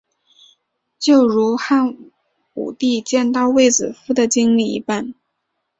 就如汉武帝见到卫子夫的经历一般。